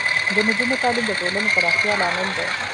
د نجونو تعلیم د ټولنې پراختیا لامل دی.